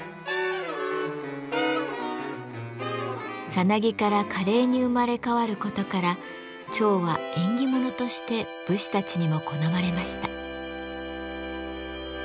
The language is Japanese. サナギから華麗に生まれ変わることから蝶は縁起物として武士たちにも好まれました。